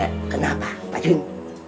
eh kenapa pak jun